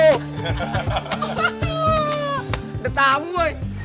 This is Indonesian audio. udah tamu boy